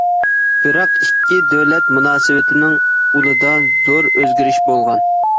بىراق ئىككى دۆلەت مۇناسىۋىتىنىڭ ئۇلىدا زور ئۆزگىرىش بولغان.